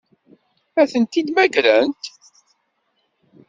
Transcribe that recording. Ad tent-id-mmagrent?